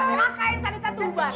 maka yang talitha tuh ubah